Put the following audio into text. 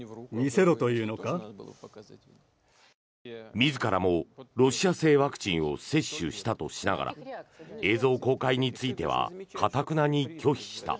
自らもロシア製ワクチンを接種したとしながら映像公開については頑なに拒否した。